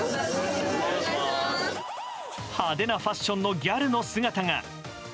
派手なファッションのギャルの姿が。